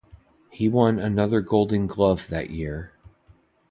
He won another Gold Glove that year.